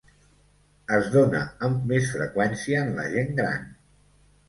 Es dóna amb més freqüència en la gent gran.